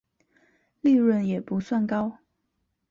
利润也不算高